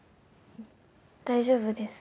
大丈夫です。